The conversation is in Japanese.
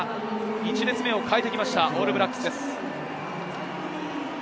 １列目を代えてきました、オールブラックスです。